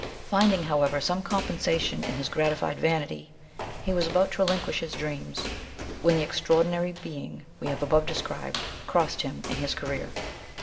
Finding, however, some compensation in his gratified vanity, he was about to relinquish his dreams, when the extraordinary being we have above described, crossed him in his career.